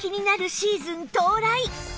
シーズン到来